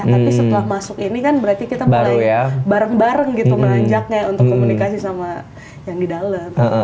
tapi setelah masuk ini kan berarti kita mulai bareng bareng gitu menanjaknya untuk komunikasi sama yang di dalam